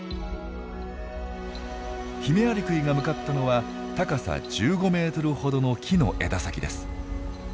ヒメアリクイが向かったのは高さ１５メートルほどの木の枝先です。